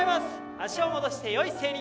足を戻して、よい姿勢に。